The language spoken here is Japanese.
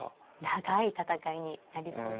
長い戦いになりそうですね。